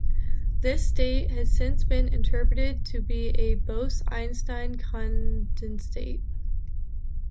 This state has since been interpreted to be a Bose-Einstein condensate.